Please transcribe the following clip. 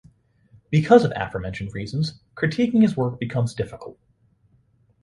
Because of aforementioned reasons critiquing his work becomes difficult.